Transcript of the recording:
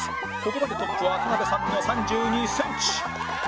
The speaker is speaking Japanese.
ここまでトップは田辺さんの３２センチ